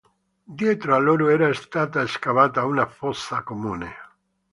Dietro a loro era stata scavata una fossa comune.